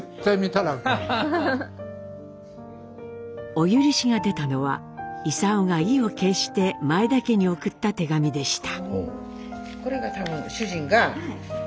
お許しが出たのは勲が意を決して前田家に送った手紙でした。